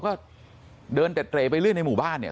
ก็เดินเต็ดเตรไปเรื่อยในหมู่บ้านเนี่ย